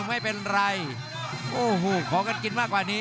รับทราบบรรดาศักดิ์